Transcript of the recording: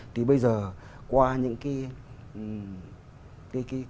thì bây giờ qua những cái